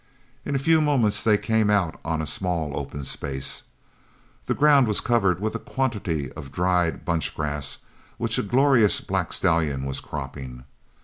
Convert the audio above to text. In a few moments they came out on a small open space. The ground was covered with a quantity of dried bunch grass which a glorious black stallion was cropping.